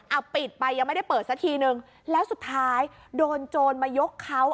เอาปิดไปยังไม่ได้เปิดสักทีนึงแล้วสุดท้ายโดนโจรมายกเขา